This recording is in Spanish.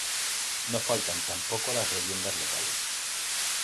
No faltan tampoco las leyendas locales.